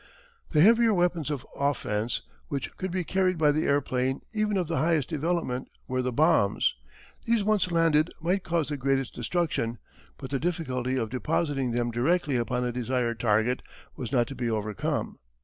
The heavier weapons of offence which could be carried by the airplane even of the highest development were the bombs. These once landed might cause the greatest destruction, but the difficulty of depositing them directly upon a desired target was not to be overcome.